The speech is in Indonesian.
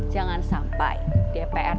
jangan sampai dpr